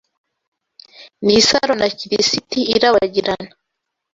Nisaro na kirisiti irabagirana